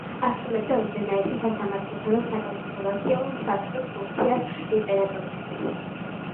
ასრულებდა უზენაესი სასამართლოსა და საკონსულტაციო საბჭოს ფუნქციას იმპერატორისთვის.